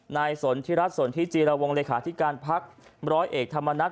สนทิรัฐสนทิจิรวงเลขาธิการพักร้อยเอกธรรมนัฐ